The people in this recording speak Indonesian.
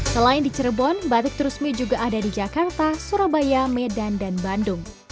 selain di cirebon batik terusmi juga ada di jakarta surabaya medan dan bandung